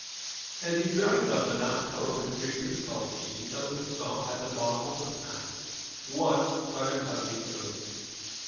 As he dragged up the last cover with great difficulty, he suddenly saw at the bottom of the pan, what but an ugly toad!